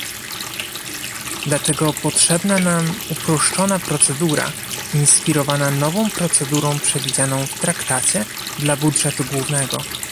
Dlatego potrzebna nam uproszczona procedura inspirowana nową procedurą przewidzianą w traktacie dla budżetu głównego